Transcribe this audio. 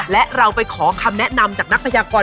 และเราไปขอคำแนะนำจากนักพยากร